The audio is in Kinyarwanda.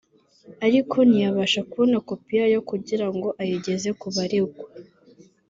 ariko ntiyabasha kubona kopi yayo kugira ngo ayigeze ku baregwa